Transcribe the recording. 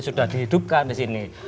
sudah dihidupkan di sini